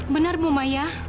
benar bu maya